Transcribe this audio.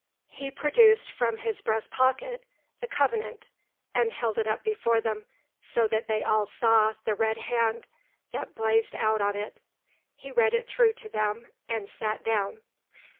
He produced from his breast pocket the Covenant, and held it up before them, so that they all saw the Red Hand that blazed out on it. He read it through to them, and sat down.